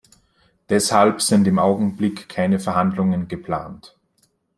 Deshalb sind im Augenblick keine Verhandlungen geplant.